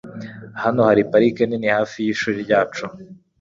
Hano hari parike nini hafi yishuri ryacu.